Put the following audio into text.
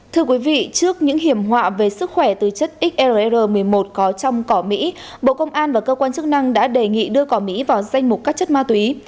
thưa quý vị trước những hiểm họa về sức khỏe từ chất xr một mươi một có trong cỏ mỹ bộ công an và cơ quan chức năng đã đề nghị đưa cỏ mỹ vào danh mục các chất ma túy